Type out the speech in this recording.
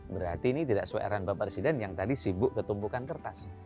berarti ini tidak sesuai arahan bapak presiden yang tadi sibuk ketumpukan kertas